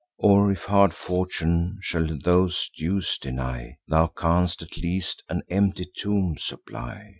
Or, if hard fortune shall those dues deny, Thou canst at least an empty tomb supply.